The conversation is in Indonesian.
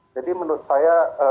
jadi menurut saya